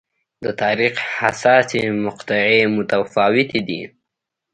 د تاریخ حساسې مقطعې متفاوتې دي.